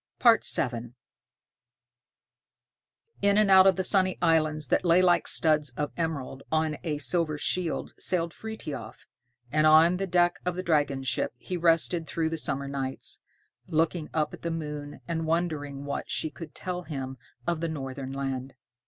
VII In and out of the sunny islands that lay like studs of emerald on a silver shield sailed Frithiof, and on the deck of the dragon ship he rested through the summer nights, looking up at the moon, and wondering what she could tell him of the northern land.